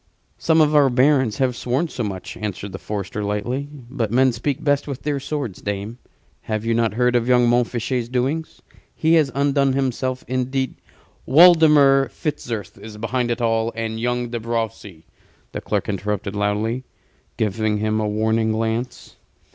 "Some of our barons have sworn so much," answered the forester, lightly; "but men speak best with their swords, dame. Have you not heard of young Montfichet's doings? He has undone himself indeed " "Waldemar Fitzurse is behind it all, and young De Brocy," the clerk interrupted, loudly, giving him a warning glance.